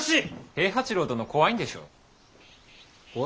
平八郎殿怖いんでしょ。